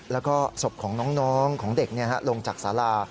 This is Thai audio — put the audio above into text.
แล้วก็ศพของน้องของเด็กลงจากสารา